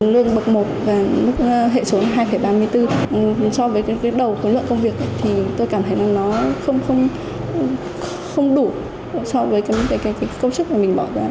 lương bậc một và hệ số hai ba mươi bốn so với đầu lượng công việc tôi cảm thấy nó không đủ so với công chức mình bỏ ra